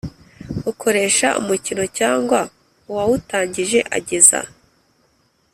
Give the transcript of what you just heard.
Ukoresha umukino cyangwa uwawutangije ageza